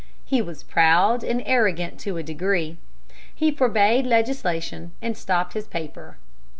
He was proud and arrogant to a degree. He forbade legislation, and stopped his paper.